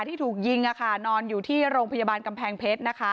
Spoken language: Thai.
ที่ถูกยิงนอนอยู่ที่โรงพยาบาลกำแพงเพชรนะคะ